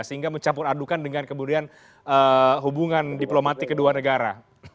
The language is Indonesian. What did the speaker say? sehingga mencampur adukan dengan kemudian hubungan diplomatik kedua negara